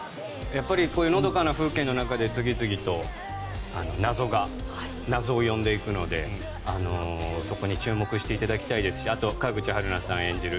こういうのどかな風景の中で次々と謎が謎を呼んでいくのでそこに注目していただきたいですしあと、川口春奈さん演じる